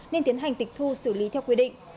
nên tiến hành tịch thu xử lý theo quy định